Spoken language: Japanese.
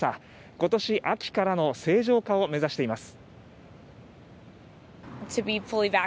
今年秋からの正常化を目指しています。